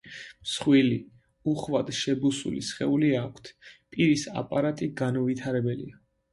მსხვილი, უხვად შებუსული სხეული აქვთ, პირის აპარატი განუვითარებელია.